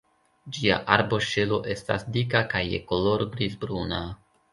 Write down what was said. Ĝia arboŝelo estas dika kaj je koloro griz-bruna.